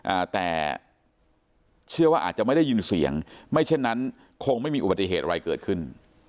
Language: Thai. อ่าแต่เชื่อว่าอาจจะไม่ได้ยินเสียงไม่เช่นนั้นคงไม่มีอุบัติเหตุอะไรเกิดขึ้น